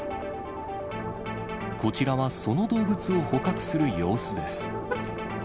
こちらはその動物を捕獲する様子です。